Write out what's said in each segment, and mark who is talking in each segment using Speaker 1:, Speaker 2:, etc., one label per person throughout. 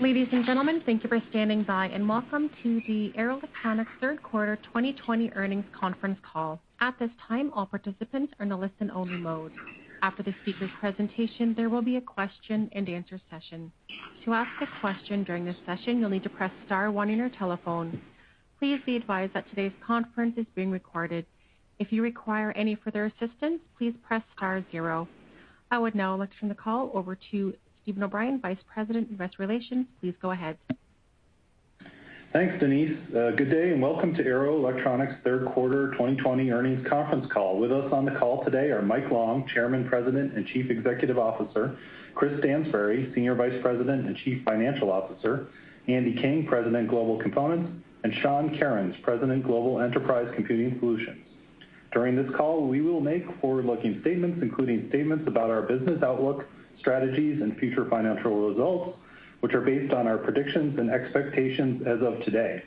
Speaker 1: Ladies and gentlemen, thank you for standing by and welcome to the Arrow Electronics Third Quarter 2020 Earnings Conference Call. At this time, all participants are in a listen-only mode. After the speaker's presentation, there will be a question-and-answer session. To ask a question during this session, you'll need to press star one in your telephone. Please be advised that today's conference is being recorded. If you require any further assistance, please press star zero. I would now like to turn the call over to Steven O'Brien, Vice President, Investor Relations. Please go ahead.
Speaker 2: Thanks, Denise. Good day and welcome to Arrow Electronics Third Quarter 2020 Earnings Conference Call. With us on the call today are Mike Long, Chairman, President, and CEO, Chris Stansbury, SVP and CFO, Andy King, President, Global Components, and Sean Kerins, President, Global Enterprise Computing Solutions. During this call, we will make forward-looking statements, including statements about our business outlook, strategies, and future financial results, which are based on our predictions and expectations as of today.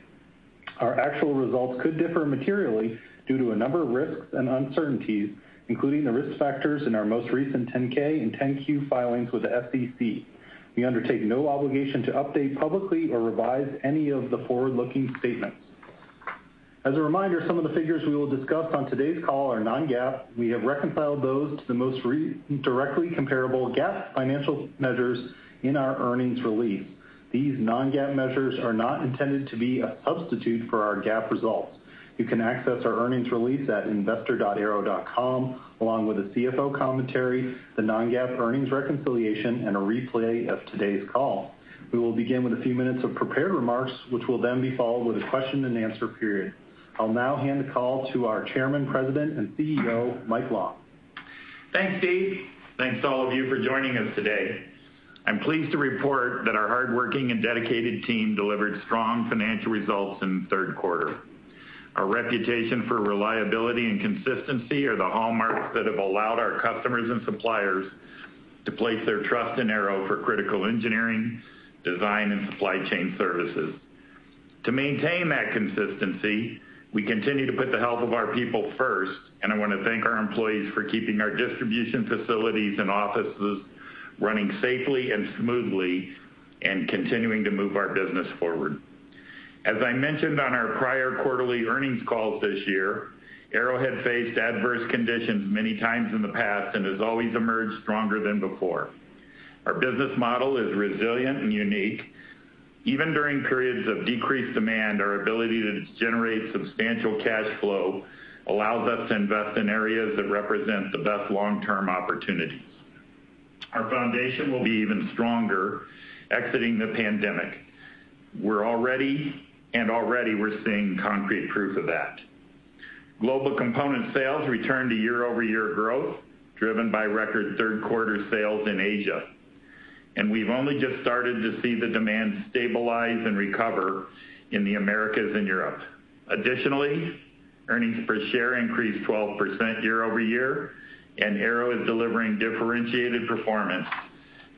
Speaker 2: Our actual results could differ materially due to a number of risks and uncertainties, including the risk factors in our most recent 10-K and 10-Q filings with the SEC. We undertake no obligation to update publicly or revise any of the forward-looking statements. As a reminder, some of the figures we will discuss on today's call are non-GAAP. We have reconciled those to the most directly comparable GAAP financial measures in our earnings release. These non-GAAP measures are not intended to be a substitute for our GAAP results. You can access our earnings release at investor.arrow.com, along with a CFO commentary, the non-GAAP earnings reconciliation, and a replay of today's call. We will begin with a few minutes of prepared remarks, which will then be followed with a question-and-answer period. I'll now hand the call to our Chairman, President, and CEO, Mike Long.
Speaker 3: Thanks, Steve. Thanks to all of you for joining us today. I'm pleased to report that our hardworking and dedicated team delivered strong financial results in the third quarter. Our reputation for reliability and consistency are the hallmarks that have allowed our customers and suppliers to place their trust in Arrow for critical engineering, design, and supply chain services. To maintain that consistency, we continue to put the health of our people first, and I want to thank our employees for keeping our distribution facilities and offices running safely and smoothly and continuing to move our business forward. As I mentioned on our prior quarterly earnings calls this year, Arrow had faced adverse conditions many times in the past and has always emerged stronger than before. Our business model is resilient and unique. Even during periods of decreased demand, our ability to generate substantial cash flow allows us to invest in areas that represent the best long-term opportunities. Our foundation will be even stronger exiting the pandemic. We're already, and already we're seeing concrete proof of that. Global Components sales returned to year-over-year growth, driven by record third quarter sales in Asia and we've only just started to see the demand stabilize and recover in the Americas and Europe. Additionally, earnings per share increased 12% year-over-year, and Arrow is delivering differentiated performance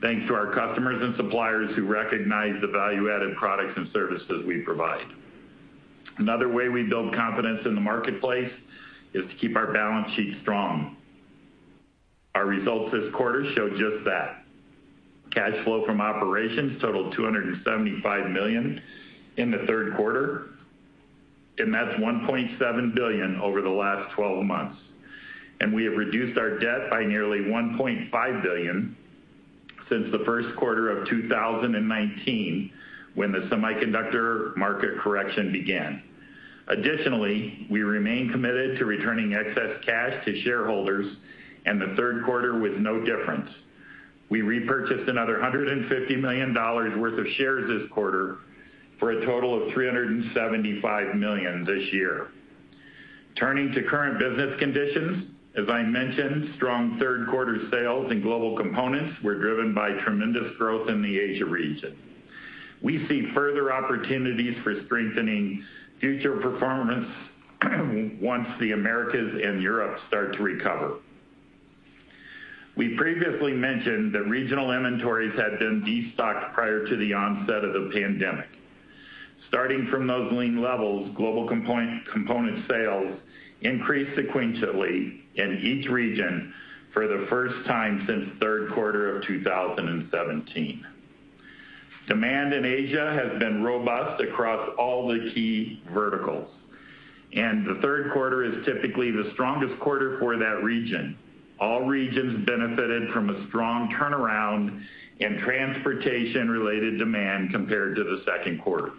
Speaker 3: thanks to our customers and suppliers who recognize the value-added products and services we provide. Another way we build confidence in the marketplace is to keep our balance sheet strong. Our results this quarter showed just that. Cash flow from operations totaled $275 million in the third quarter, and that's $1.7 billion over the last 12 months. We have reduced our debt by nearly $1.5 billion since the first quarter of 2019, when the semiconductor market correction began. Additionally, we remain committed to returning excess cash to shareholders, and the third quarter was no different. We repurchased another $150 million worth of shares this quarter for a total of $375 million this year. Turning to current business conditions, as I mentioned, strong third quarter sales in Global Components were driven by tremendous growth in the Asia region. We see further opportunities for strengthening future performance once the Americas and Europe start to recover. We previously mentioned that regional inventories had been destocked prior to the onset of the pandemic. Starting from those lean levels, Global Components sales increased sequentially in each region for the first time since the third quarter of 2017. Demand in Asia has been robust across all the key verticals, and the third quarter is typically the strongest quarter for that region. All regions benefited from a strong turnaround in transportation-related demand compared to the second quarter.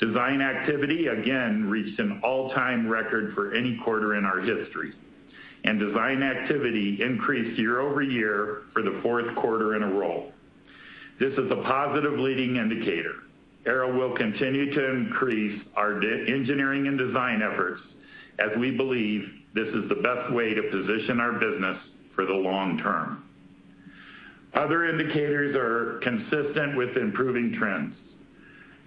Speaker 3: Design activity, again, reached an all-time record for any quarter in our history, and design activity increased year-over-year for the fourth quarter in a row. This is a positive leading indicator. Arrow will continue to increase our engineering and design efforts as we believe this is the best way to position our business for the long term. Other indicators are consistent with improving trends.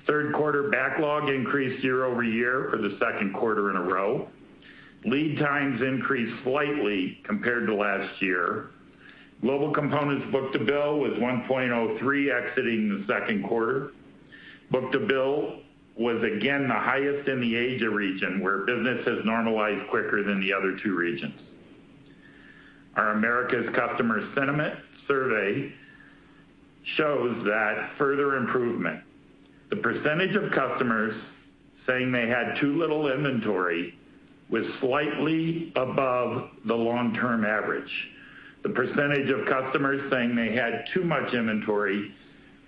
Speaker 3: Third quarter backlog increased year-over-year for the second quarter in a row. Lead times increased slightly compared to last year. Global Components book-to-bill was 1.03 exiting the second quarter. Book-to-Bill was again the highest in the Asia region, where business has normalized quicker than the other two regions. Our Americas Customer Sentiment Survey shows that further improvement. The percentage of customers saying they had too little inventory was slightly above the long-term average. The percentage of customers saying they had too much inventory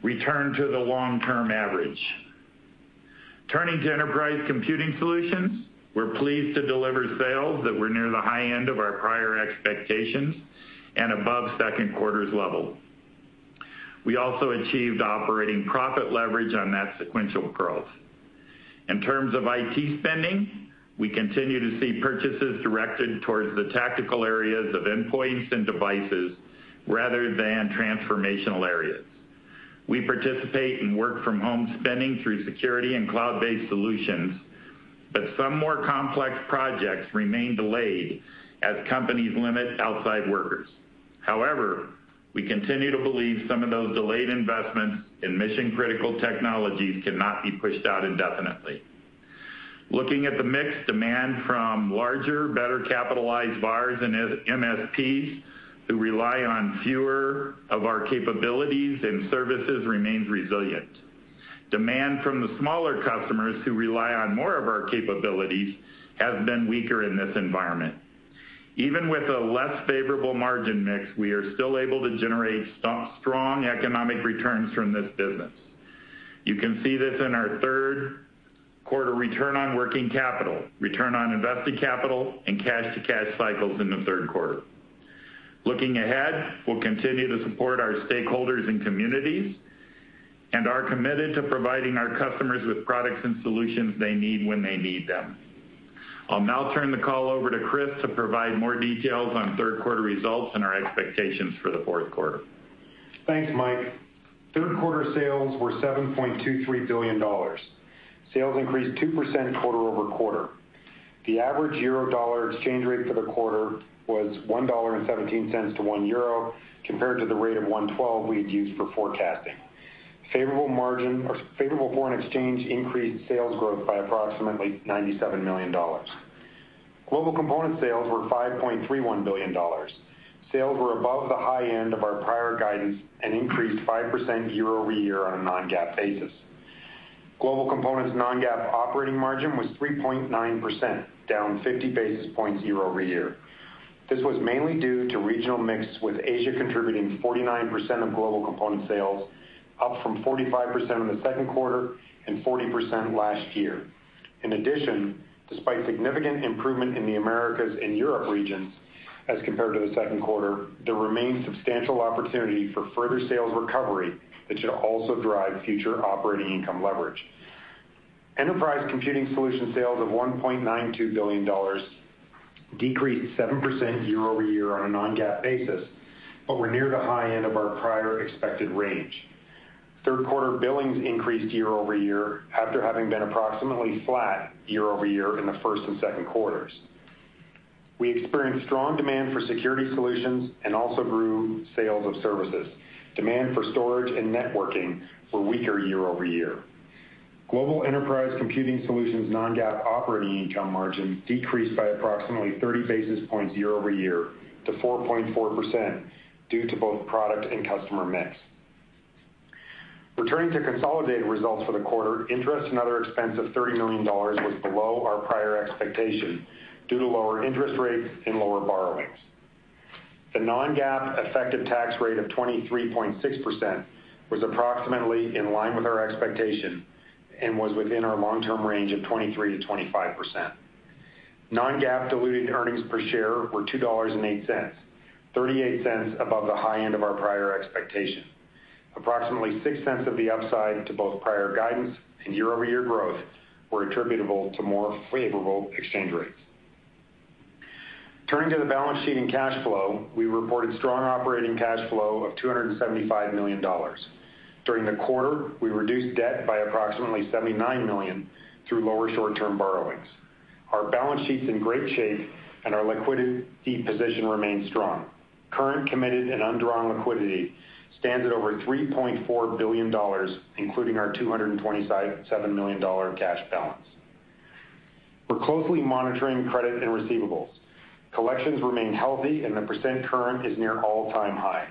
Speaker 3: returned to the long-term average. Turning to Enterprise Computing Solutions, we're pleased to deliver sales that were near the high end of our prior expectations and above second quarter's level. We also achieved operating profit leverage on that sequential growth. In terms of IT spending, we continue to see purchases directed towards the tactical areas of endpoints and devices rather than transformational areas. We participate in work-from-home spending through security and cloud-based solutions, but some more complex projects remain delayed as companies limit outside workers. However, we continue to believe some of those delayed investments in mission-critical technologies cannot be pushed out indefinitely. Looking at the mixed demand from larger, better capitalized VARs and MSPs who rely on fewer of our capabilities and services remains resilient. Demand from the smaller customers who rely on more of our capabilities has been weaker in this environment. Even with a less favorable margin mix, we are still able to generate strong economic returns from this business. You can see this in our third quarter return on working capital, return on invested capital, and cash-to-cash cycles in the third quarter. Looking ahead, we'll continue to support our stakeholders and communities and are committed to providing our customers with products and solutions they need when they need them. I'll now turn the call over to Chris to provide more details on third quarter results and our expectations for the fourth quarter.
Speaker 4: Thanks, Mike. Third quarter sales were $7.23 billion. Sales increased 2% quarter-over-quarter. The average euro-dollar exchange rate for the quarter was $1.17 to 1 euro compared to the rate of $1.12 we had used for forecasting. Favorable foreign exchange increased sales growth by approximately $97 million. Global Components sales were $5.31 billion. Sales were above the high end of our prior guidance and increased 5% year-over-year on a non-GAAP basis. Global Components non-GAAP operating margin was 3.9%, down 50 basis points year-over-year. This was mainly due to regional mix with Asia contributing 49% of Global Components sales, up from 45% in the second quarter and 40% last year. In addition, despite significant improvement in the Americas and Europe regions as compared to the second quarter, there remains substantial opportunity for further sales recovery that should also drive future operating income leverage. Enterprise Computing Solutions sales of $1.92 billion decreased 7% year-over-year on a non-GAAP basis, but were near the high end of our prior expected range. Third quarter billings increased year-over-year after having been approximately flat year-over-year in the first and second quarters. We experienced strong demand for security solutions and also grew sales of services. Demand for storage and networking were weaker year-over-year. Global Enterprise Computing Solutions non-GAAP operating income margin decreased by approximately 30 basis points year-over-year to 4.4% due to both product and customer mix. Returning to consolidated results for the quarter, interest and other expenses of $30 million was below our prior expectation due to lower interest rates and lower borrowings. The non-GAAP effective tax rate of 23.6% was approximately in line with our expectation and was within our long-term range of 23%-25%. Non-GAAP diluted earnings per share were $2.08, $0.38 above the high end of our prior expectation. Approximately $0.06 of the upside to both prior guidance and year-over-year growth were attributable to more favorable exchange rates. Turning to the balance sheet and cash flow, we reported strong operating cash flow of $275 million. During the quarter, we reduced debt by approximately $79 million through lower short-term borrowings. Our balance sheet's in great shape, and our liquidity position remains strong. Current committed and undrawn liquidity stands at over $3.4 billion, including our $227 million cash balance. We're closely monitoring credit and receivables. Collections remain healthy, and the percent current is near all-time highs.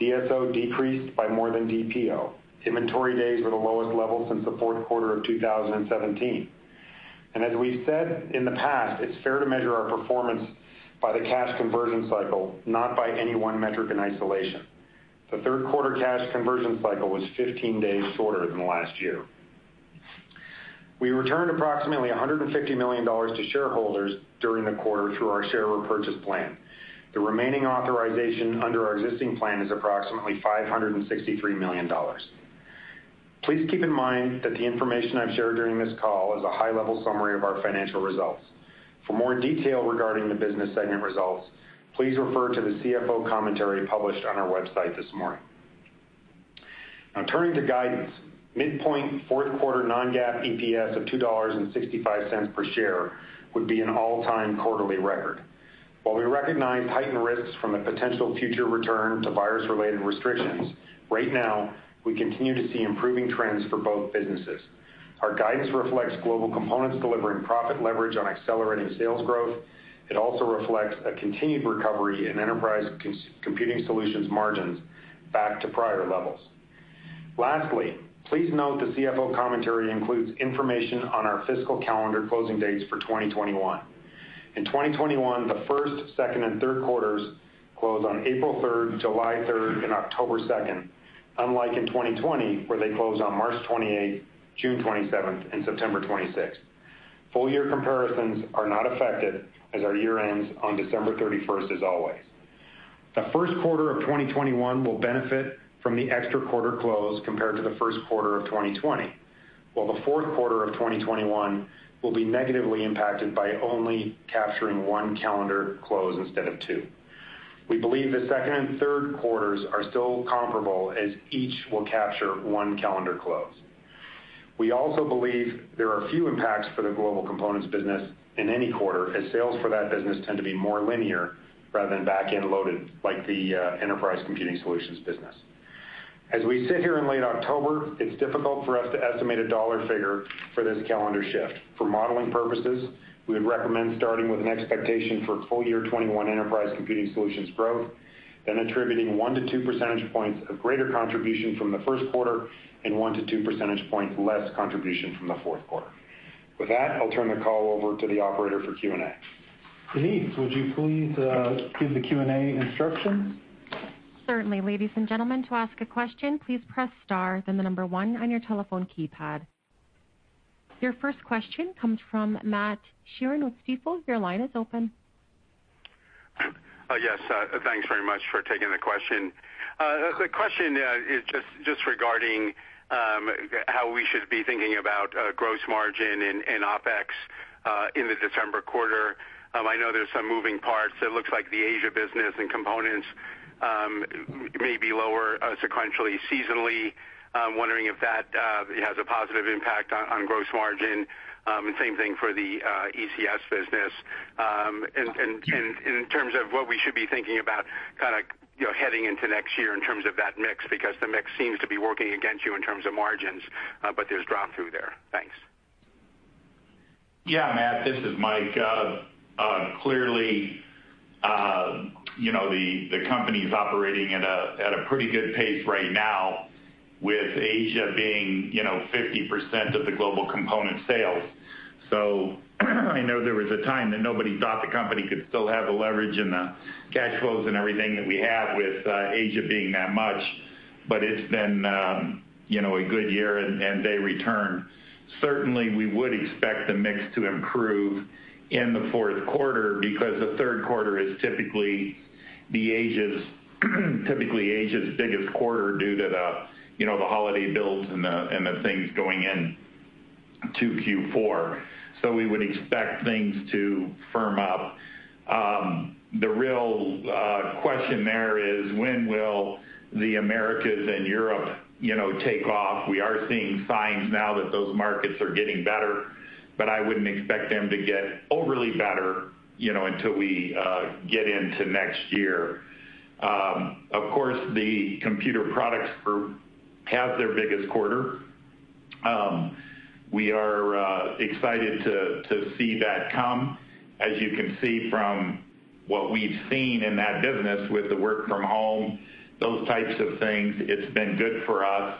Speaker 4: DSO decreased by more than DPO. Inventory days were the lowest level since the fourth quarter of 2017. As we've said in the past, it's fair to measure our performance by the cash conversion cycle, not by any one metric in isolation. The third quarter cash conversion cycle was 15 days shorter than last year. We returned approximately $150 million to shareholders during the quarter through our share repurchase plan. The remaining authorization under our existing plan is approximately $563 million. Please keep in mind that the information I've shared during this call is a high-level summary of our financial results. For more detail regarding the business segment results, please refer to the CFO commentary published on our website this morning. Now, turning to guidance, midpoint fourth quarter non-GAAP EPS of $2.65 per share would be an all-time quarterly record. While we recognize heightened risks from the potential future return to virus-related restrictions, right now we continue to see improving trends for both businesses. Our guidance reflects Global Components delivering profit leverage on accelerating sales growth. It also reflects a continued recovery in Enterprise Computing Solutions margins back to prior levels. Lastly, please note the CFO commentary includes information on our fiscal calendar closing dates for 2021. In 2021, the first, second, and third quarters close on April 3rd, July 3rd, and October 2nd, unlike in 2020, where they close on March 28th, June 27th, and September 26th. Full year comparisons are not affected as our year ends on December 31st as always. The first quarter of 2021 will benefit from the extra quarter close compared to the first quarter of 2020, while the fourth quarter of 2021 will be negatively impacted by only capturing one calendar close instead of two. We believe the second and third quarters are still comparable as each will capture one calendar close. We also believe there are few impacts for the Global Components business in any quarter as sales for that business tend to be more linear rather than back-end loaded like the Enterprise Computing Solutions business. As we sit here in late October, it's difficult for us to estimate a dollar figure for this calendar shift. For modeling purposes, we would recommend starting with an expectation for full year 2021 Enterprise Computing Solutions growth, then attributing 1-2 percentage points of greater contribution from the first quarter and 1-2 percentage points less contribution from the fourth quarter. With that, I'll turn the call over to the operator for Q&A.
Speaker 2: Denise, would you please give the Q&A instructions?
Speaker 1: Certainly. Ladies and gentlemen, to ask a question, please press star, then the number one on your telephone keypad. Your first question comes from Matt Sheerin with Stifel. Your line is open.
Speaker 5: Yes. Thanks very much for taking the question. The question is just regarding how we should be thinking about gross margin and OpEx in the December quarter. I know there's some moving parts. It looks like the Asia business and Components may be lower sequentially seasonally. I'm wondering if that has a positive impact on gross margin. Same thing for the ECS business and in terms of what we should be thinking about kind of heading into next year in terms of that mix because the mix seems to be working against you in terms of margins, but there's drop through there. Thanks.
Speaker 3: Yeah, Matt. This is Mike. Clearly, the company is operating at a pretty good pace right now with Asia being 50% of the Global Component sales. So I know there was a time that nobody thought the company could still have the leverage and the cash flows and everything that we have with Asia being that much, but it's been a good year and they returned. Certainly, we would expect the mix to improve in the fourth quarter because the third quarter is typically Asia's biggest quarter due to the holiday builds and the things going into Q4. So we would expect things to firm up. The real question there is when will the Americas and Europe take off? We are seeing signs now that those markets are getting better, but I wouldn't expect them to get overly better until we get into next year. Of course, the computer products group has their biggest quarter. We are excited to see that come. As you can see from what we've seen in that business with the work from home, those types of things, it's been good for us.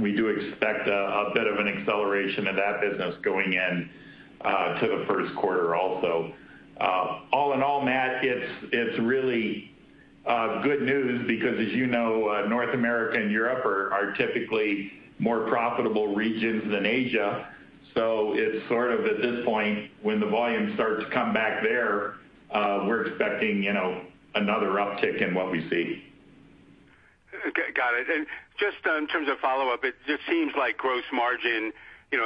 Speaker 3: We do expect a bit of an acceleration of that business going into the first quarter also. All in all, Matt, it's really good news because, as you know, North America and Europe are typically more profitable regions than Asia. So it's sort of at this point when the volumes start to come back there, we're expecting another uptick in what we see.
Speaker 5: Got it and just in terms of follow-up, it just seems like gross margin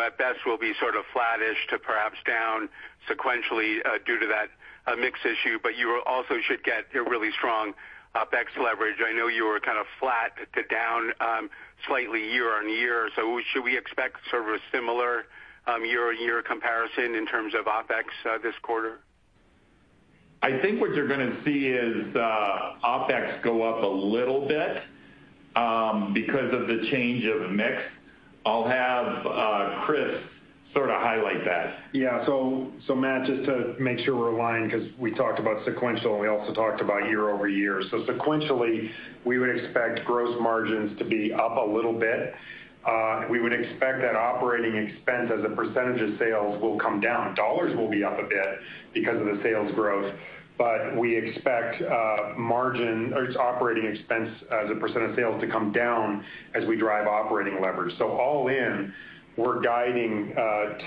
Speaker 5: at best will be sort of flattish to perhaps down sequentially due to that mix issue, but you also should get a really strong OpEx leverage. I know you were kind of flat to down slightly year-on-year. So should we expect sort of a similar year-on-year comparison in terms of OpEx this quarter?
Speaker 3: I think what you're going to see is OpEx go up a little bit because of the change of mix. I'll have Chris sort of highlight that.
Speaker 4: Yeah. So Matt, just to make sure we're aligned because we talked about sequential and we also talked about year-over-year. So sequentially, we would expect gross margins to be up a little bit. We would expect that operating expense as a percentage of sales will come down. Dollars will be up a bit because of the sales growth, but we expect margin or operating expense as a percent of sales to come down as we drive operating leverage. So all in, we're guiding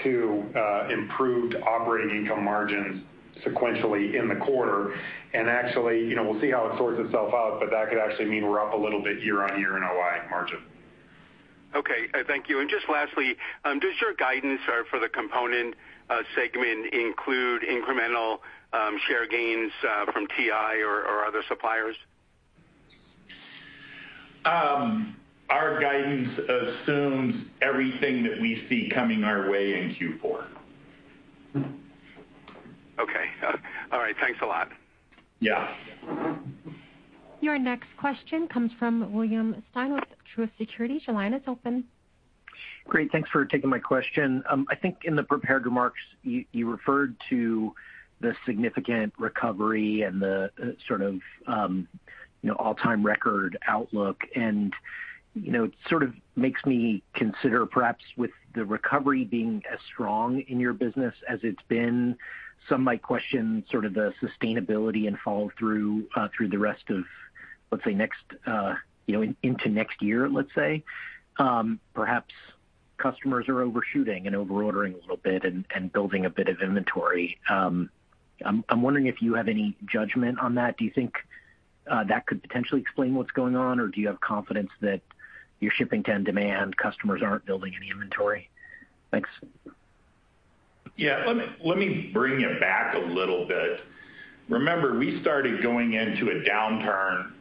Speaker 4: to improved operating income margins sequentially in the quarter and actually, we'll see how it sorts itself out, but that could actually mean we're up a little bit year-on-year in OI margin.
Speaker 5: Okay. Thank you. Just lastly, does your guidance for the Components segment include incremental share gains from TI or other suppliers? Our guidance assumes everything that we see coming our way in Q4. Okay. All right. Thanks a lot.
Speaker 3: Yeah.
Speaker 1: Your next question comes from William Stein with Truist Securities. Your line, it's open.
Speaker 6: Great. Thanks for taking my question. I think in the prepared remarks, you referred to the significant recovery and the sort of all-time record outlook. It sort of makes me consider perhaps with the recovery being as strong in your business as it's been, some might question sort of the sustainability and follow-through through the rest of, let's say, into next year, let's say. Perhaps customers are overshooting and over-ordering a little bit and building a bit of inventory. I'm wondering if you have any judgment on that. Do you think that could potentially explain what's going on, or do you have confidence that your shipping can demand customers aren't building any inventory? Thanks.
Speaker 3: Yeah. Let me bring it back a little bit. Remember, we started going into a downturn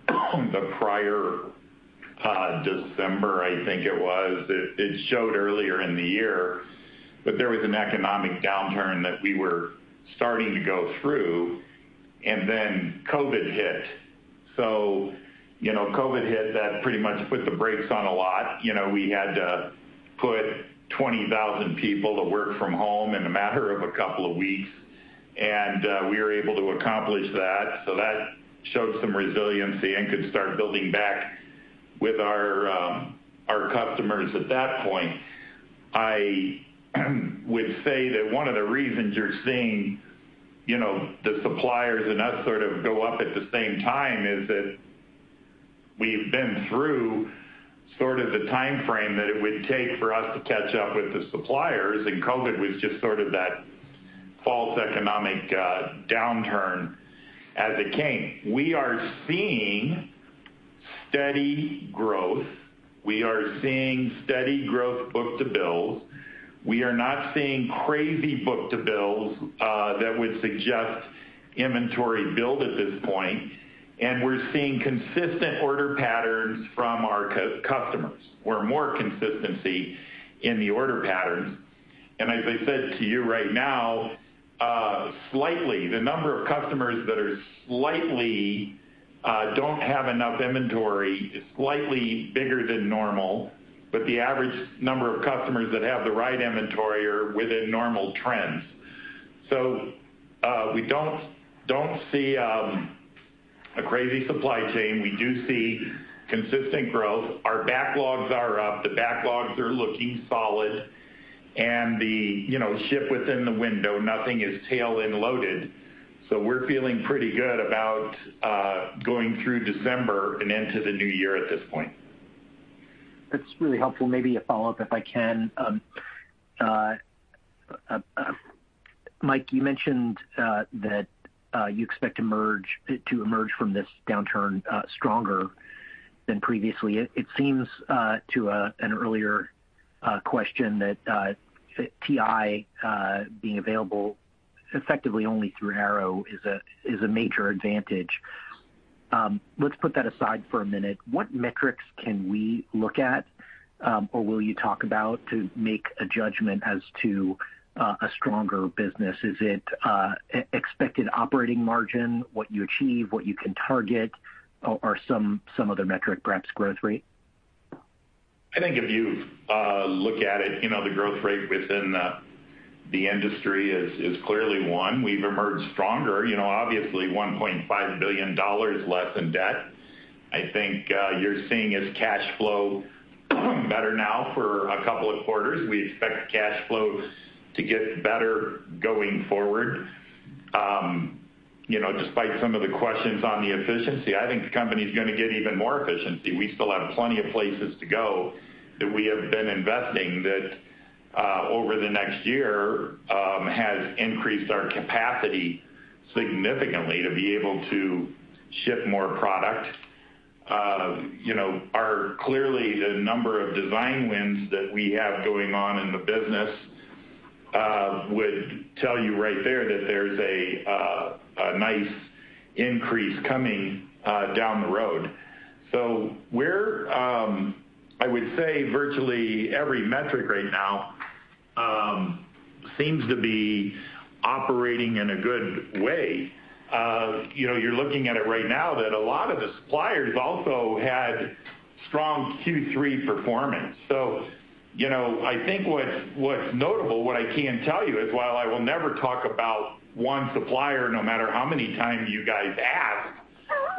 Speaker 3: the prior December, I think it was. It showed earlier in the year, but there was an economic downturn that we were starting to go through, and then COVID hit. So, COVID hit. That pretty much put the brakes on a lot. We had to put 20,000 people to work from home in a matter of a couple of weeks, and we were able to accomplish that. So that showed some resiliency and could start building back with our customers at that point. I would say that one of the reasons you're seeing the suppliers and us sort of go up at the same time is that we've been through sort of the timeframe that it would take for us to catch up with the suppliers, and COVID was just sort of that false economic downturn as it came. We are seeing steady growth. We are seeing steady growth book-to-bills. We are not seeing crazy book-to-bills that would suggest inventory build at this point and we're seeing consistent order patterns from our customers. We're seeing more consistency in the order patterns and as I said to you right now, slightly, the number of customers that slightly don't have enough inventory is slightly bigger than normal, but the average number of customers that have the right inventory are within normal trends. So we don't see a crazy supply chain. We do see consistent growth. Our backlogs are up. The backlogs are looking solid and the shipments within the window, nothing is tail-end loaded. So we're feeling pretty good about going through December and into the new year at this point. That's really helpful. Maybe a follow-up if I can. Mike, you mentioned that you expect to emerge from this downturn stronger than previously. It seems to an earlier question that TI being available effectively only through Arrow is a major advantage. Let's put that aside for a minute. What metrics can we look at or will you talk about to make a judgment as to a stronger business? Is it expected operating margin, what you achieve, what you can target, or some other metric, perhaps growth rate? I think if you look at it, the growth rate within the industry is clearly one. We've emerged stronger. Obviously, $1.5 billion less in debt. I think you're seeing is cash flow better now for a couple of quarters. We expect cash flow to get better going forward. Despite some of the questions on the efficiency, I think the company is going to get even more efficiency. We still have plenty of places to go that we have been investing that over the next year has increased our capacity significantly to be able to ship more product. Clearly, the number of design wins that we have going on in the business would tell you right there that there's a nice increase coming down the road. So I would say virtually every metric right now seems to be operating in a good way. You're looking at it right now that a lot of the suppliers also had strong Q3 performance. So I think what's notable, what I can tell you is while I will never talk about one supplier no matter how many times you guys ask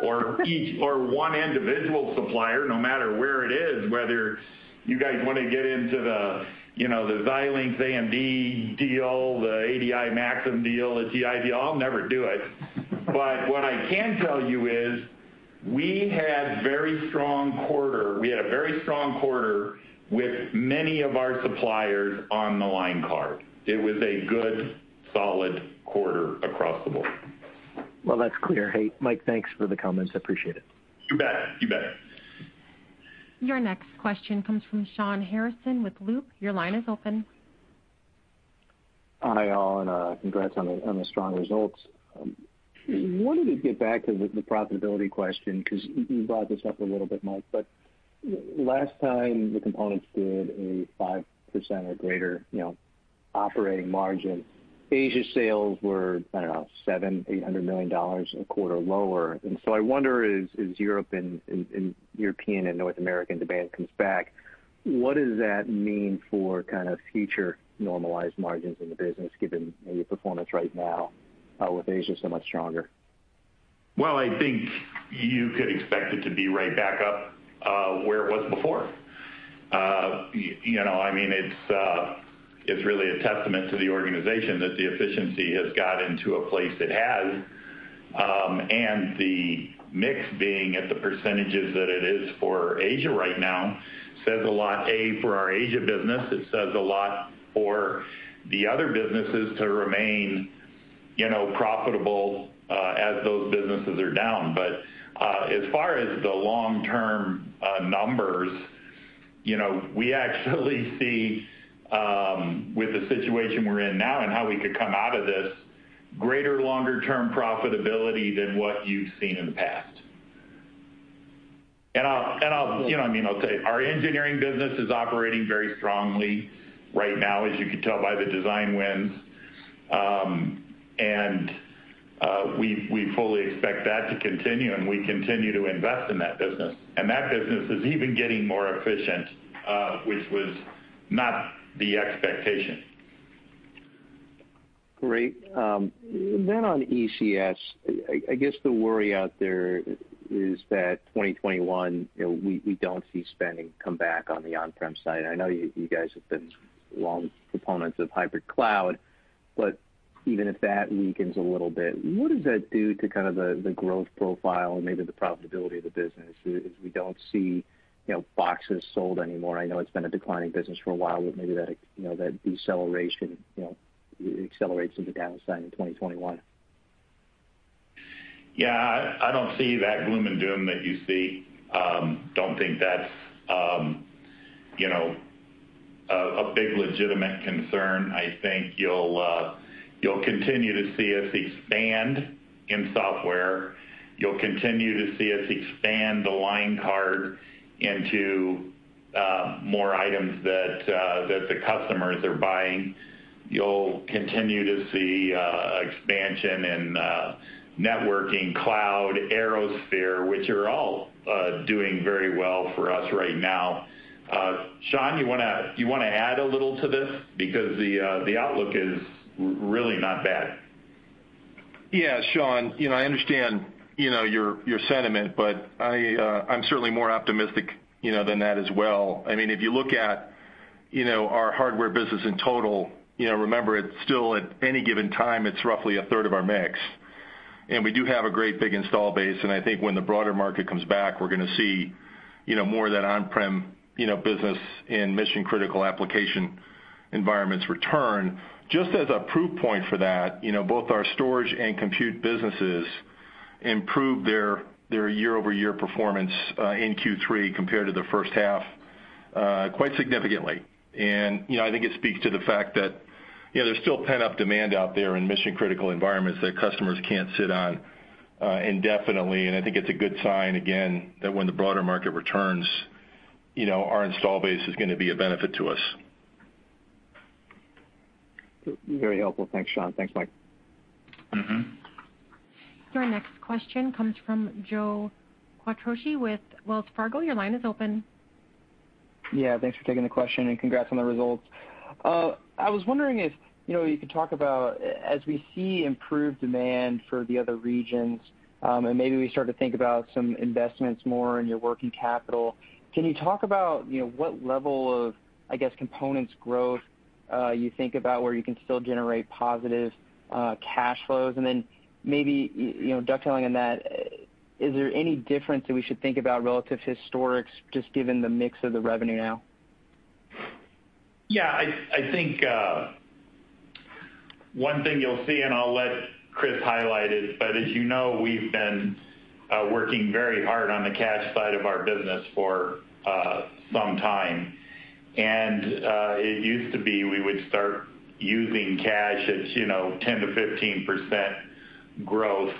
Speaker 3: or one individual supplier, no matter where it is, whether you guys want to get into the Xilinx AMD deal, the ADI Maxim deal, the TI deal, I'll never do it. But what I can tell you is we had a very strong quarter. We had a very strong quarter with many of our suppliers on the line card. It was a good solid quarter across the board.
Speaker 6: Well, that's clear. Hey, Mike, thanks for the comments. I appreciate it.
Speaker 3: You bet. You bet.
Speaker 1: Your next question comes from Shawn Harrison with Loop. Your line is open.
Speaker 7: Hi, Allen. Congrats on the strong results. Wanted to get back to the profitability question because you brought this up a little bit, Mike, but last time the Components did a 5% or greater operating margin, Asia sales were, I don't know, $700 million, $800 million a quarter lower and so I wonder as Europe and European and North American demand comes back, what does that mean for kind of future normalized margins in the business given your performance right now with Asia so much stronger?
Speaker 3: Well, I think you could expect it to be right back up where it was before. I mean, it's really a testament to the organization that the efficiency has gotten to a place it has and the mix being at the percentages that it is for Asia right now says a lot, A, for our Asia business. It says a lot for the other businesses to remain profitable as those businesses are down. But as far as the long-term numbers, we actually see with the situation we're in now and how we could come out of this, greater longer-term profitability than what you've seen in the past. And I mean, I'll tell you, our Engineering business is operating very strongly right now, as you can tell by the design wins and we fully expect that to continue, and we continue to invest in that business. That business is even getting more efficient, which was not the expectation.
Speaker 7: Great. Then on ECS, I guess the worry out there is that 2021, we don't see spending come back on the on-prem side. I know you guys have been long proponents of hybrid cloud, but even if that weakens a little bit, what does that do to kind of the growth profile and maybe the profitability of the business as we don't see boxes sold anymore? I know it's been a declining business for a while, but maybe that deceleration accelerates into downside in 2021.
Speaker 3: Yeah. I don't see that gloom and doom that you see. Don't think that's a big legitimate concern. I think you'll continue to see us expand in software. You'll continue to see us expand the line card into more items that the customers are buying. You'll continue to see expansion in networking, cloud, ArrowSphere, which are all doing very well for us right now. Sean, you want to add a little to this because the outlook is really not bad.
Speaker 8: Yeah, Shawn, I understand your sentiment, but I'm certainly more optimistic than that as well. I mean, if you look at our Hardware business in total, remember, still at any given time, it's roughly a 1/3 of our mix. We do have a great big installed base and I think when the broader market comes back, we're going to see more of that on-prem business in mission-critical application environments return. Just as a proof point for that, both our Storage and Compute businesses improved their year-over-year performance in Q3 compared to the first half quite significantly. I think it speaks to the fact that there's still pent-up demand out there in mission-critical environments that customers can't sit on indefinitely. I think it's a good sign, again, that when the broader market returns, our installed base is going to be a benefit to us.
Speaker 7: Very helpful. Thanks, Sean. Thanks, Mike.
Speaker 1: Your next question comes from Joe Quatrochi with Wells Fargo. Your line is open.
Speaker 9: Yeah. Thanks for taking the question and congrats on the results. I was wondering if you could talk about, as we see improved demand for the other regions, and maybe we start to think about some investments more in your working capital, can you talk about what level of, I guess, Components growth you think about where you can still generate positive cash flows? And then maybe dovetailing on that, is there any difference that we should think about relative to historics just given the mix of the revenue now?
Speaker 3: Yeah. I think one thing you'll see, and I'll let Chris highlight it, but as you know, we've been working very hard on the cash side of our business for some time. It used to be we would start using cash at 10%-15% growth.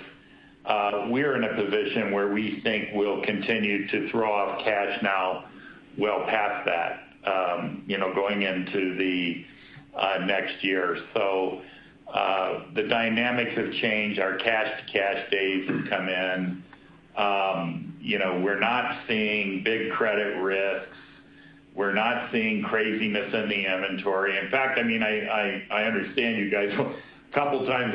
Speaker 3: We are in a position where we think we'll continue to throw off cash now well past that going into the next year. So the dynamics have changed. Our cash-to-cash days have come in. We're not seeing big credit risks. We're not seeing craziness in the inventory. In fact, I mean, I understand you guys. A couple of times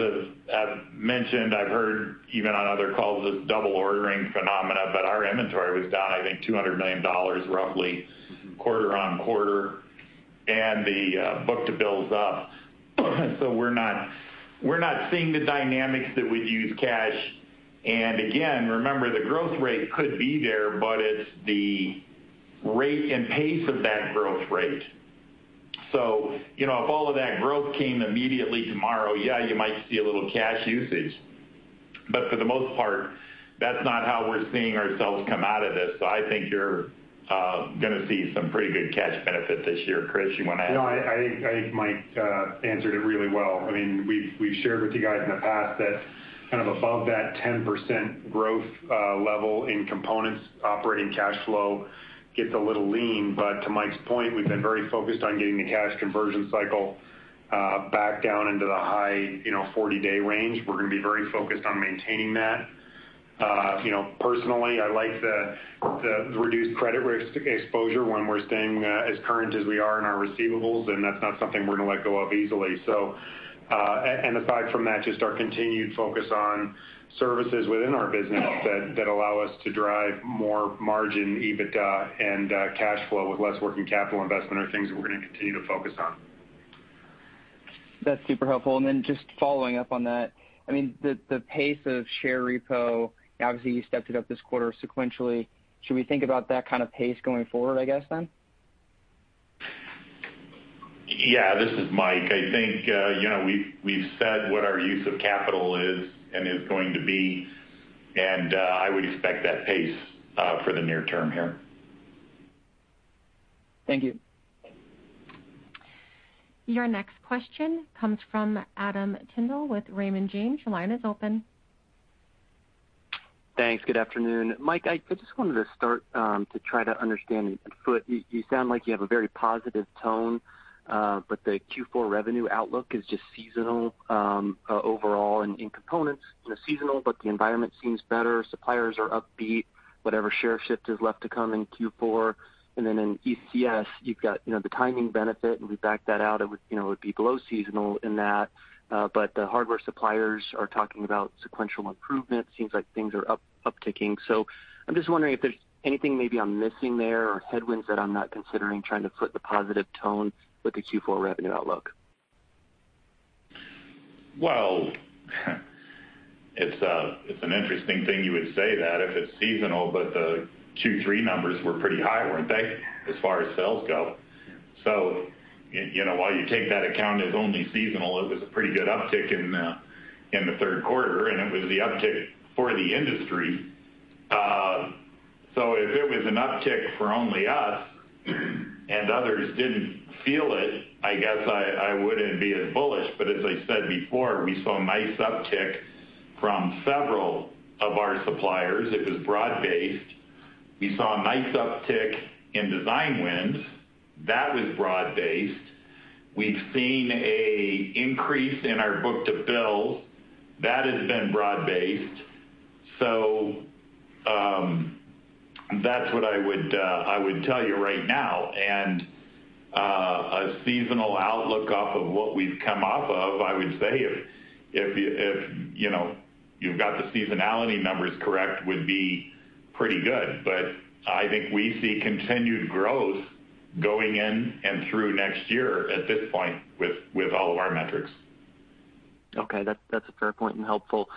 Speaker 3: I've mentioned, I've heard even on other calls this double-ordering phenomena, but our inventory was down, I think, $200 million roughly quarter on quarter, and the book-to-bills up. So we're not seeing the dynamics that would use cash. And again, remember, the growth rate could be there, but it's the rate and pace of that growth rate. So if all of that growth came immediately tomorrow, yeah, you might see a little cash usage. But for the most part, that's not how we're seeing ourselves come out of this. So I think you're going to see some pretty good cash benefit this year. Chris, you want to add?
Speaker 4: No, I think Mike answered it really well. I mean, we've shared with you guys in the past that kind of above that 10% growth level in Components, operating cash flow gets a little lean. But to Mike's point, we've been very focused on getting the cash conversion cycle back down into the high 40-day range. We're going to be very focused on maintaining that. Personally, I like the reduced credit risk exposure when we're staying as current as we are in our receivables, and that's not something we're going to let go of easily. Aside from that, just our continued focus on services within our business that allow us to drive more margin, EBITDA, and cash flow with less working capital investment are things that we're going to continue to focus on.
Speaker 9: That's super helpful and then just following up on that, I mean, the pace of share repo, obviously, you stepped it up this quarter sequentially. Should we think about that kind of pace going forward, I guess, then?
Speaker 3: Yeah. This is Mike. I think we've said what our use of capital is and is going to be, and I would expect that pace for the near term here.
Speaker 9: Thank you.
Speaker 1: Your next question comes from Adam Tindle with Raymond James. Your line is open.
Speaker 10: Thanks. Good afternoon. Mike, I just wanted to start to try to understand. You sound like you have a very positive tone, but the Q4 revenue outlook is just seasonal overall in Components. Seasonal, but the environment seems better. Suppliers are upbeat, whatever share shift is left to come in q4 and then in ECS, you've got the timing benefit, and we backed that out. It would be below seasonal in that. But the hardware suppliers are talking about sequential improvement. Seems like things are upticking, so I'm just wondering if there's anything maybe I'm missing there or headwinds that I'm not considering trying to flip the positive tone with the Q4 revenue outlook.
Speaker 3: Well, it's an interesting thing you would say that if it's seasonal, but the Q3 numbers were pretty high, weren't they, as far as sales go? So while you take that account as only seasonal, it was a pretty good uptick in the third quarter, and it was the uptick for the industry. So if it was an uptick for only us and others didn't feel it, I guess I wouldn't be as bullish. But as I said before, we saw a nice uptick from several of our suppliers. It was broad-based. We saw a nice uptick in design wins. That was broad-based. We've seen an increase in our book-to-bill. That has been broad-based. So that's what I would tell you right now and a seasonal outlook off of what we've come off of, I would say if you've got the seasonality numbers correct, would be pretty good. I think we see continued growth going in and through next year at this point with all of our metrics.
Speaker 10: Okay. That's a fair point and helpful.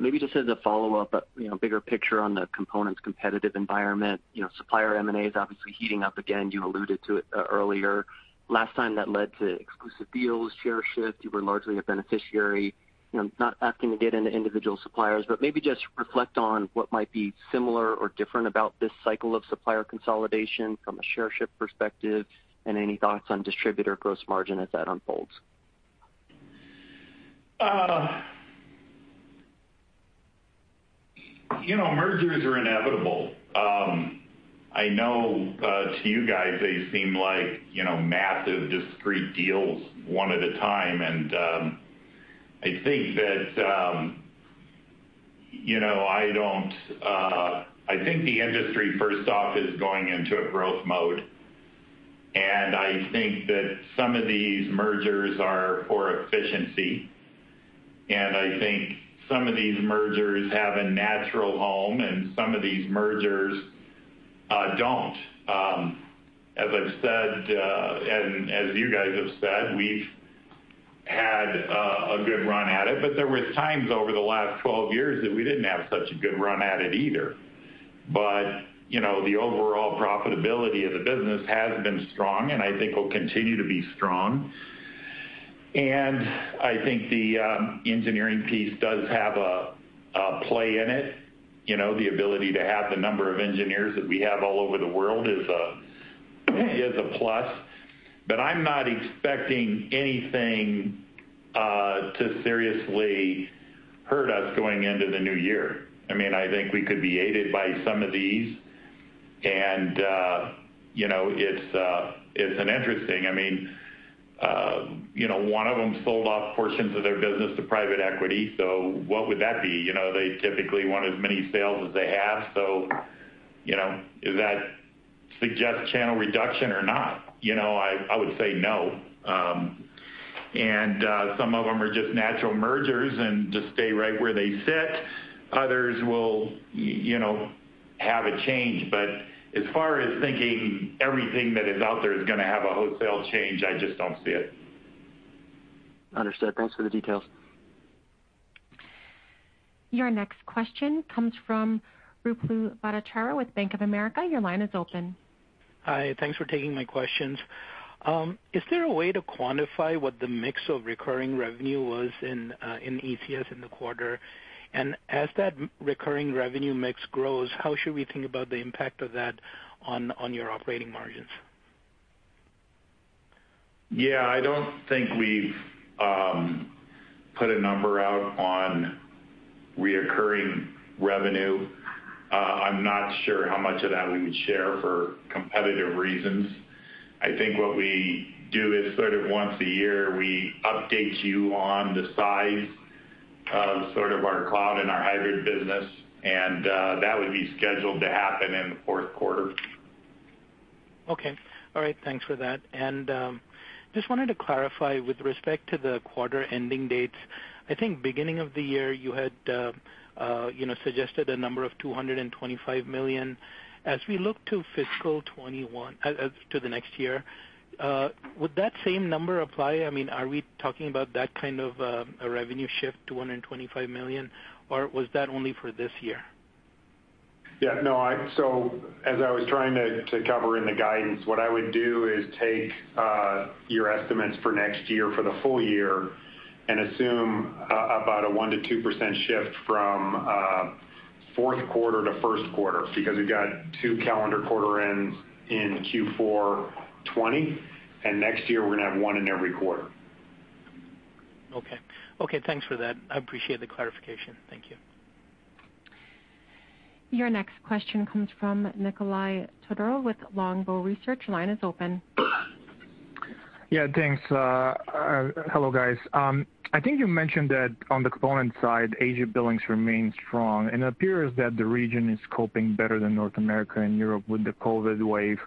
Speaker 10: Maybe just as a follow-up, a bigger picture on the Components competitive environment. Supplier M&A is obviously heating up again you alluded to it earlier. Last time, that led to exclusive deals, share shift. You were largely a beneficiary. Not asking to get into individual suppliers, but maybe just reflect on what might be similar or different about this cycle of supplier consolidation from a share shift perspective and any thoughts on distributor gross margin as that unfolds.
Speaker 3: Mergers are inevitable. I know to you guys, they seem like massive discrete deals one at a time and I think that the industry, first off, is going into a growth mode and I think that some of these mergers are for efficiency and I think some of these mergers have a natural home, and some of these mergers don't. As I've said, and as you guys have said, we've had a good run at it. But there were times over the last 12 years that we didn't have such a good run at it either. But the overall profitability of the business has been strong, and I think will continue to be strong and I think the engineering piece does have a play in it. The ability to have the number of engineers that we have all over the world is a plus. But I'm not expecting anything to seriously hurt us going into the new year. I mean, I think we could be aided by some of these and it's an interesting, I mean, one of them sold off portions of their business to private equity. So what would that be? They typically want as many sales as they have. So is that suggest channel reduction or not? I would say no and some of them are just natural mergers and just stay right where they sit. Others will have a change. But as far as thinking everything that is out there is going to have a wholesale change, I just don't see it.
Speaker 10: Understood. Thanks for the details.
Speaker 1: Your next question comes from Ruplu Bhattacharya with Bank of America. Your line is open.
Speaker 11: Hi. Thanks for taking my questions. Is there a way to quantify what the mix of recurring revenue was in ECS in the quarter? And as that recurring revenue mix grows, how should we think about the impact of that on your operating margins?
Speaker 3: Yeah. I don't think we've put a number out on recurring revenue. I'm not sure how much of that we would share for competitive reasons. I think what we do is sort of once a year, we update you on the size of sort of our Cloud and our Hybrid business and that would be scheduled to happen in the fourth quarter.
Speaker 11: Okay. All right. Thanks for that and just wanted to clarify with respect to the quarter ending dates. I think beginning of the year, you had suggested a number of $225 million. As we look to fiscal 2021, to the next year, would that same number apply? I mean, are we talking about that kind of a revenue shift, $225 million, or was that only for this year?
Speaker 4: Yeah. No. So as I was trying to cover in the guidance, what I would do is take your estimates for next year for the full year and assume about a 1%-2% shift from fourth quarter to first quarter because we've got two calendar quarter ends in Q4 2020 and next year, we're going to have one in every quarter.
Speaker 11: Okay. Okay. Thanks for that. I appreciate the clarification. Thank you.
Speaker 1: Your next question comes from Nikolay Todorov with Longbow Research. Line is open.
Speaker 12: Yeah. Thanks. Hello, guys. I think you mentioned that on the Component side, Asia billings remain strong and it appears that the region is coping better than North America and Europe with the COVID wave.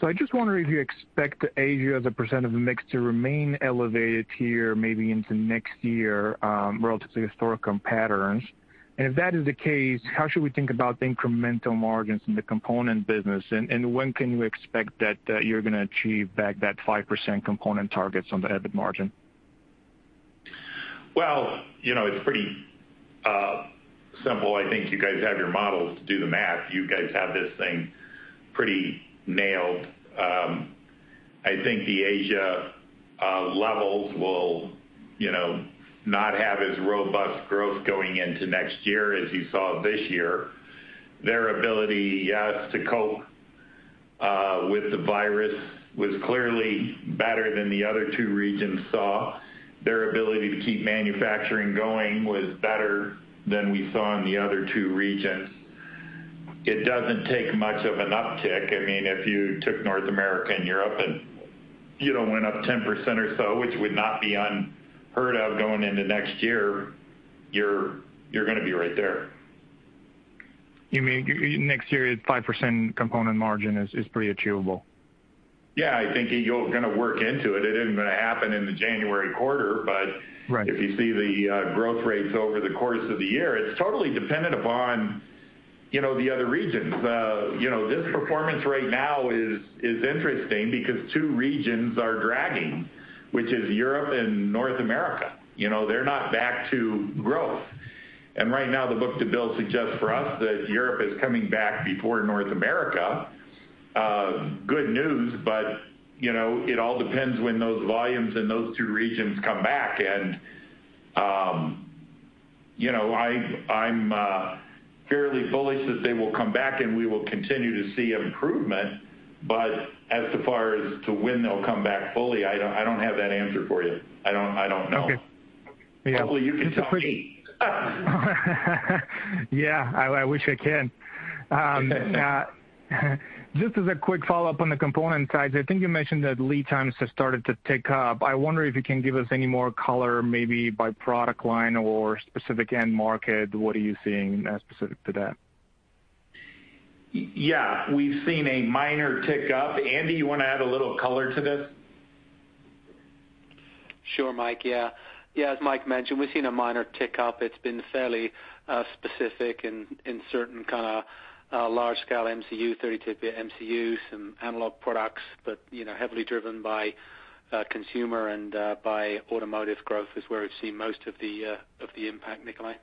Speaker 12: So I just wonder if you expect Asia as a percent of the mix to remain elevated here maybe into next year relative to historical patterns and if that is the case, how should we think about the incremental margins in the Component business? And when can you expect that you're going to achieve back that 5% Component targets on the EBIT margin?
Speaker 3: Well, it's pretty simple. I think you guys have your models to do the math. You guys have this thing pretty nailed. I think the Asia levels will not have as robust growth going into next year as you saw this year. Their ability to cope with the virus was clearly better than the other two regions saw. Their ability to keep manufacturing going was better than we saw in the other two regions. It doesn't take much of an uptick. I mean, if you took North America and Europe and went up 10% or so, which would not be unheard of going into next year, you're going to be right there.
Speaker 12: You mean next year is 5% Component margin is pretty achievable?
Speaker 3: Yeah. I think you're going to work into it. It isn't going to happen in the January quarter, but if you see the growth rates over the course of the year, it's totally dependent upon the other regions. This performance right now is interesting because two regions are dragging, which is Europe and North America. They're not back to growth and right now, the book-to-bill suggests for us that Europe is coming back before North America. Good news, but it all depends when those volumes in those two regions come back. I'm fairly bullish that they will come back, and we will continue to see improvement. But as far as to when they'll come back fully, I don't have that answer for you. I don't know. Hopefully, you can talk to me.
Speaker 12: Yeah. I wish I can. Just as a quick follow-up on the Component sides, I think you mentioned that lead times have started to tick up. I wonder if you can give us any more color, maybe by product line or specific end market. What are you seeing specific to that?
Speaker 3: Yeah. We've seen a minor tick up andy, you want to add a little color to this?
Speaker 13: Sure, Mike. Yeah. Yeah. As Mike mentioned, we've seen a minor tick up. It's been fairly specific in certain kind of large-scale MCU, 32-bit MCUs, and analog products, but heavily driven by consumer and by automotive growth is where we've seen most of the impact, Nikolay.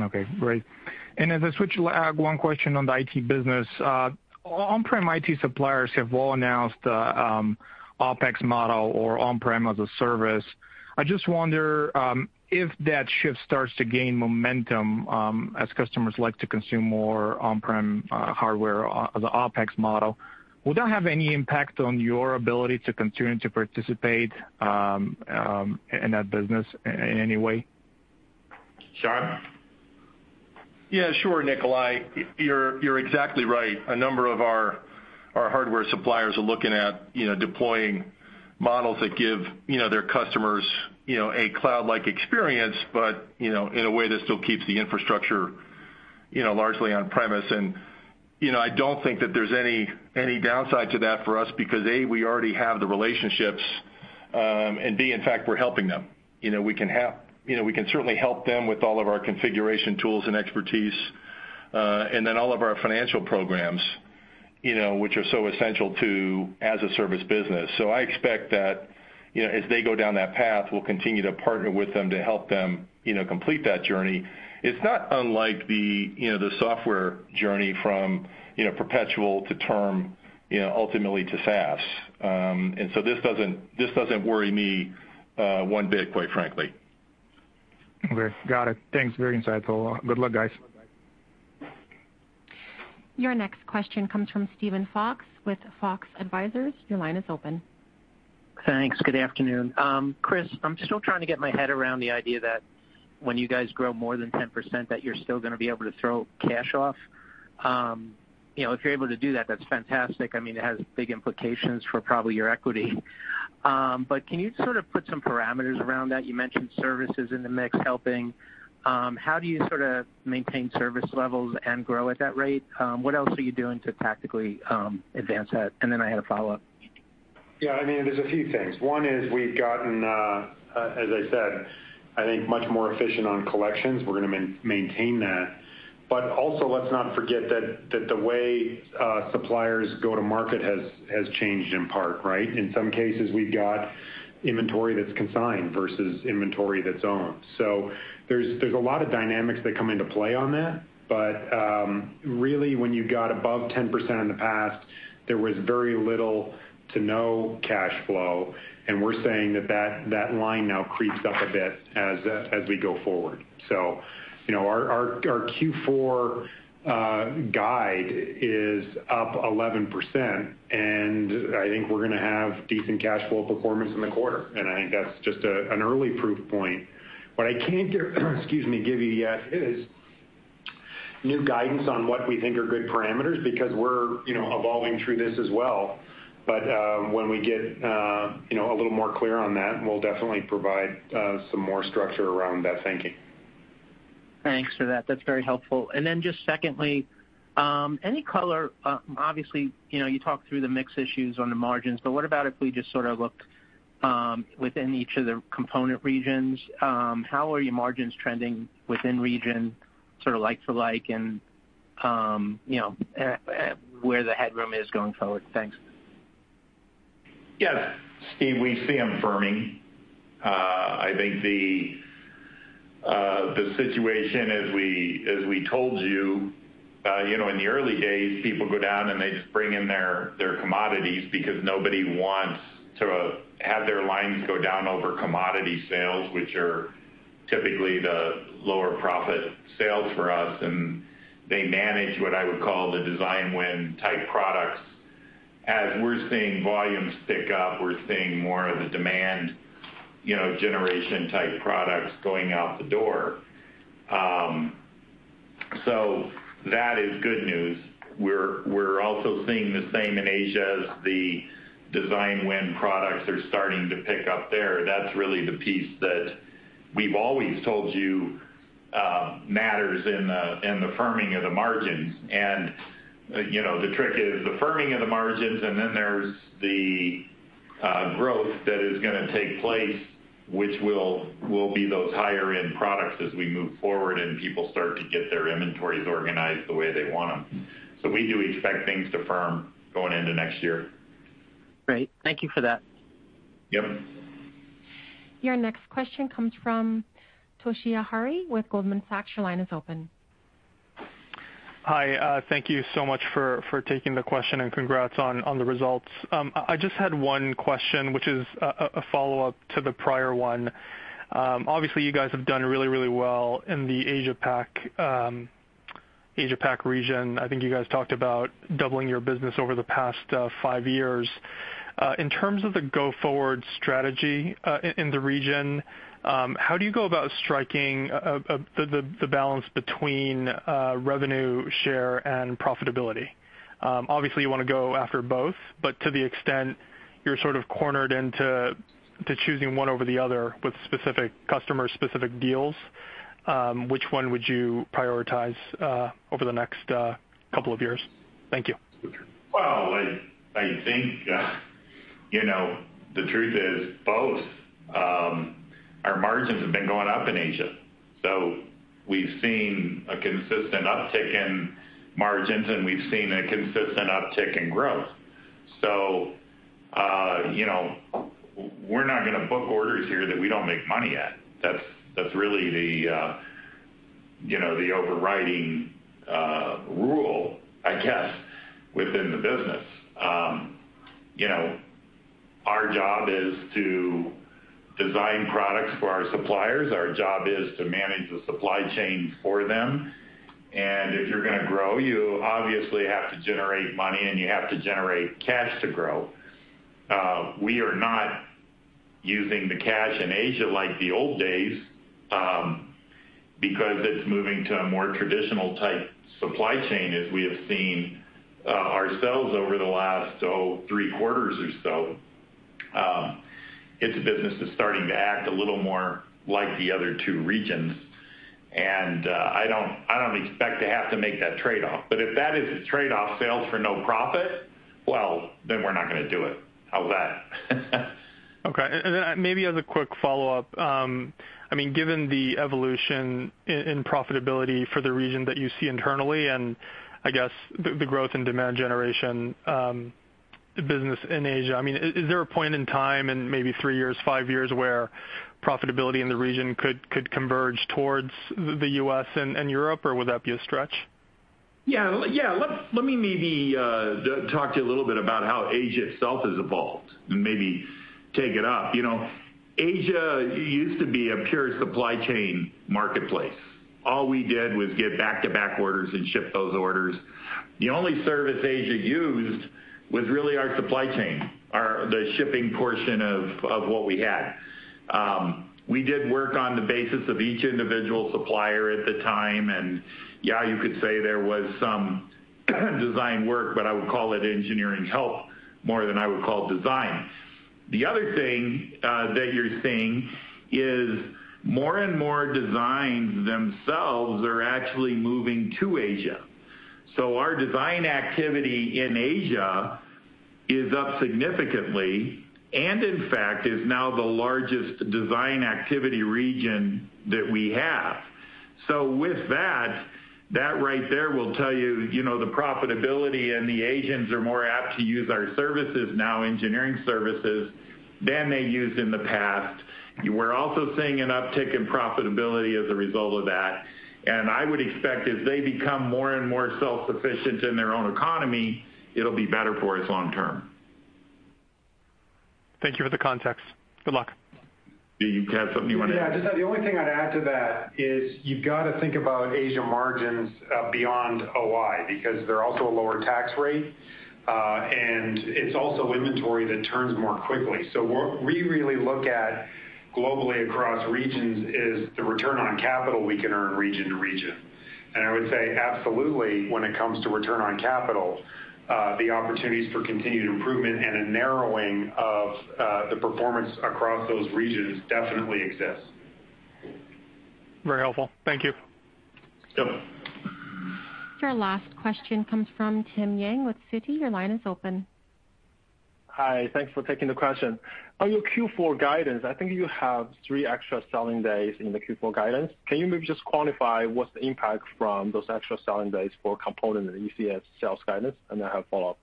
Speaker 12: Okay. Great, and as I switched to one question on the IT business, on-prem IT suppliers have all announced the OpEx model or on-prem as a service. I just wonder if that shift starts to gain momentum as customers like to consume more on-prem hardware as an OpEx model. Would that have any impact on your ability to continue to participate in that business in any way?
Speaker 3: Sean?
Speaker 8: Yeah. Sure, Nikolay. You're exactly right. A number of our hardware suppliers are looking at deploying models that give their customers a cloud-like experience, but in a way that still keeps the infrastructure largely on-premise. I don't think that there's any downside to that for us because, A, we already have the relationships, and B, in fact, we're helping them. We can certainly help them with all of our configuration tools and expertise, and then all of our financial programs, which are so essential to as-a-service business. So I expect that as they go down that path, we'll continue to partner with them to help them complete that journey. It's not unlike the software journey from perpetual to term, ultimately to SaaS. So this doesn't worry me one bit, quite frankly.
Speaker 12: Okay. Got it. Thanks. Very insightful. Good luck, guys.
Speaker 1: Your next question comes from Steven Fox with Fox Advisors. Your line is open.
Speaker 14: Thanks. Good afternoon. Chris, I'm still trying to get my head around the idea that when you guys grow more than 10%, that you're still going to be able to throw cash off. If you're able to do that, that's fantastic. I mean, it has big implications for probably your equity. But can you sort of put some parameters around that? You mentioned services in the mix helping. How do you sort of maintain service levels and grow at that rate? What else are you doing to tactically advance that? And then I had a follow-up.
Speaker 4: Yeah. I mean, there's a few things. One is we've gotten, as I said, I think, much more efficient on collections. We're going to maintain that, but also, let's not forget that the way suppliers go to market has changed in part, right? In some cases, we've got inventory that's consigned versus inventory that's owned. So there's a lot of dynamics that come into play on that. But really, when you got above 10% in the past, there was very little to no cash flow and we're saying that that line now creeps up a bit as we go forward. So our Q4 guide is up 11%. I think we're going to have decent cash flow performance in the quarter and I think that's just an early proof point. What I can't give you yet is new guidance on what we think are good parameters because we're evolving through this as well. But when we get a little more clear on that, we'll definitely provide some more structure around that thinking.
Speaker 14: Thanks for that. That's very helpful and then just secondly, any color? Obviously, you talked through the mix issues on the margins, but what about if we just sort of look within each of the component regions? How are your margins trending within region, sort of like-for-like, and where the headroom is going forward? Thanks.
Speaker 3: Yeah. Steve, we see them firming. I think the situation, as we told you, in the early days, people go down and they just bring in their commodities because nobody wants to have their lines go down over commodity sales, which are typically the lower profit sales for us and they manage what I would call the design-win type products. As we're seeing volumes pick up, we're seeing more of the demand generation type products going out the door. So that is good news. We're also seeing the same in Asia as the design-win products are starting to pick up there. That's really the piece that we've always told you matters in the firming of the margins. The trick is the firming of the margins, and then there's the growth that is going to take place, which will be those higher-end products as we move forward and people start to get their inventories organized the way they want them. We do expect things to firm going into next year.
Speaker 14: Great. Thank you for that.
Speaker 3: Yep.
Speaker 1: Your next question comes from Toshiya Hari with Goldman Sachs. Your line is open.
Speaker 15: Hi. Thank you so much for taking the question and congrats on the results. I just had one question, which is a follow-up to the prior one. Obviously, you guys have done really, really well in the Asia-Pac region. I think you guys talked about doubling your business over the past five years. In terms of the go-forward strategy in the region, how do you go about striking the balance between revenue share and profitability? Obviously, you want to go after both, but to the extent you're sort of cornered into choosing one over the other with specific customers, specific deals, which one would you prioritize over the next couple of years? Thank you.
Speaker 3: Well, I think the truth is both. Our margins have been going up in Asia. So we've seen a consistent uptick in margins, and we've seen a consistent uptick in growth. So we're not going to book orders here that we don't make money at. That's really the overriding rule, I guess, within the business. Our job is to design products for our suppliers. Our job is to manage the supply chain for them and if you're going to grow, you obviously have to generate money, and you have to generate cash to grow. We are not using the cash in Asia like the old days because it's moving to a more traditional type supply chain, as we have seen ourselves over the last three quarters or so. It's a business that's starting to act a little more like the other two regions. I don't expect to have to make that trade-off. But if that is the trade-off, sales for no profit, well, then we're not going to do it. How's that?
Speaker 15: Okay. Then maybe as a quick follow-up, I mean, given the evolution in profitability for the region that you see internally and I guess the growth in demand generation business in Asia, I mean, is there a point in time in maybe three years, five years where profitability in the region could converge towards the u.s and Europe, or would that be a stretch?
Speaker 3: Yeah. Yeah. Let me maybe talk to you a little bit about how Asia itself has evolved and maybe take it up. Asia used to be a pure supply chain marketplace. All we did was get back-to-back orders and ship those orders. The only service Asia used was really our supply chain, the shipping portion of what we had. We did work on the basis of each individual supplier at the time and yeah, you could say there was some design work, but I would call it engineering help more than I would call design. The other thing that you're seeing is more and more designs themselves are actually moving to Asia. So our design activity in Asia is up significantly and, in fact, is now the largest design activity region that we have. With that, that right there will tell you the profitability and the Asians are more apt to use our services now, engineering services, than they used in the past. We're also seeing an uptick in profitability as a result of that. I would expect as they become more and more self-sufficient in their own economy, it'll be better for us long term.
Speaker 15: Thank you for the context. Good luck.
Speaker 3: Do you have something you want to add?
Speaker 4: Yeah. Just the only thing I'd add to that is you've got to think about Asia margins beyond OI because they're also a lower tax rate, and it's also inventory that turns more quickly. So what we really look at globally across regions is the return on capital we can earn region to region and I would say absolutely, when it comes to return on capital, the opportunities for continued improvement and a narrowing of the performance across those regions definitely exist.
Speaker 15: Very helpful. Thank you.
Speaker 3: Yep.
Speaker 1: Your last question comes from Tim Yang with Citi. Your line is open.
Speaker 16: Hi. Thanks for taking the question. On your Q4 guidance, I think you have three extra selling days in the Q4 guidance. Can you maybe just quantify what's the impact from those extra selling days for Component and ECS sales guidance? And I have a follow-up.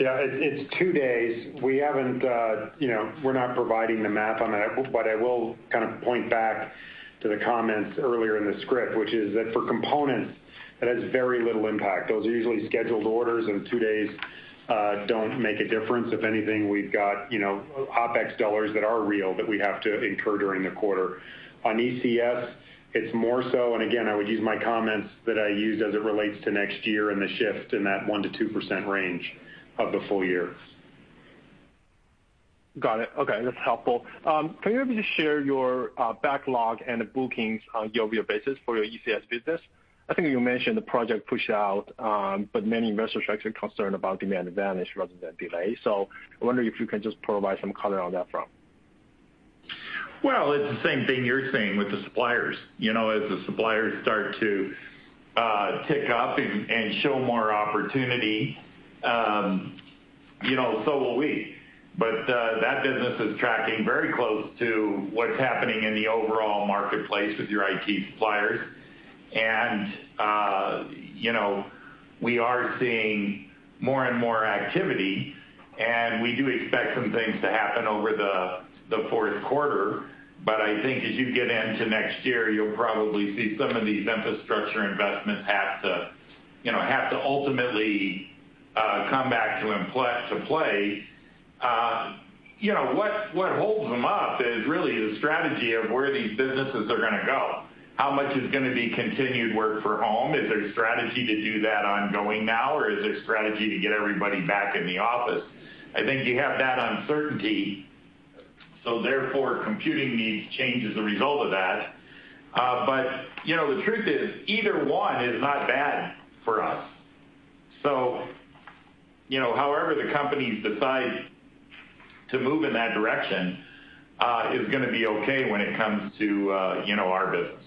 Speaker 3: Yeah. It's two days. We're not providing the math on that, but I will kind of point back to the comments earlier in the script, which is that for Components, that has very little impact. Those are usually scheduled orders, and two days don't make a difference. If anything, we've got OpEx dollars that are real that we have to incur during the quarter. On ECS, it's more so and again, I would use my comments that I used as it relates to next year and the shift in that 1%-2% range of the full year.
Speaker 16: Got it. Okay. That's helpful. Can you maybe just share your backlog and the bookings on a yearly basis for your ECS business? I think you mentioned the project pushed out, but many investors are actually concerned about demand advantage rather than delay. So I wonder if you can just provide some color on that front.
Speaker 3: Well, it's the same thing you're seeing with the suppliers. As the suppliers start to tick up and show more opportunity, so will we. But that business is tracking very close to what's happening in the overall marketplace with your IT suppliers and we are seeing more and more activity, and we do expect some things to happen over the fourth quarter. But I think as you get into next year, you'll probably see some of these infrastructure investments have to ultimately come back to play. What holds them up is really the strategy of where these businesses are going to go. How much is going to be continued work from home? Is there a strategy to do that ongoing now, or is there a strategy to get everybody back in the office? I think you have that uncertainty. So therefore, computing needs change as a result of that. The truth is either one is not bad for us. However the companies decide to move in that direction is going to be okay when it comes to our business.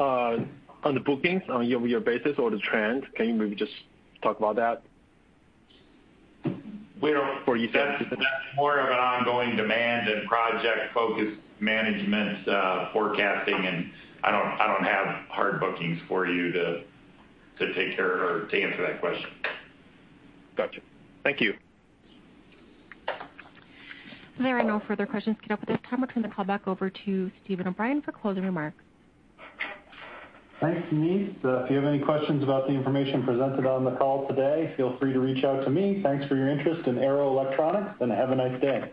Speaker 16: On the bookings on a yearly basis or the trend, can you maybe just talk about that?
Speaker 3: Well, for ECS, that's more of an ongoing demand and project-focused management forecasting and I don't have hard bookings for you to take care of or to answer that question.
Speaker 16: Gotcha. Thank you.
Speaker 1: There are no further questions coming up at this time. We're going to call back over to Steven O'Brien for closing remarks.
Speaker 2: Thanks, Denise. If you have any questions about the information presented on the call today, feel free to reach out to me. Thanks for your interest in Arrow Electronics, and have a nice day.